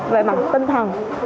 về mặt tinh thần